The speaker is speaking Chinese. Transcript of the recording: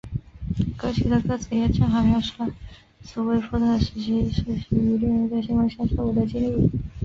歌曲的歌词也正好描述了斯威夫特十七岁时与恋人在星光下跳舞的经历。